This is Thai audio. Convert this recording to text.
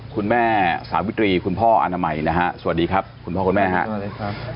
คุณแม่สาวิตรีคุณพ่ออนามัยนะครับสวัสดีครับคุณพ่อคุณแม่ครับ